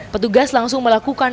petugas langsung melakukan